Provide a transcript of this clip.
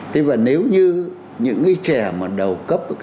thế và nếu như những trẻ mà đầu cấp các bạn biết là